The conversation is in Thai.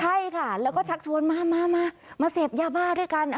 ใช่ค่ะแล้วก็ชักชวนมามาเสพยาบ้าด้วยกัน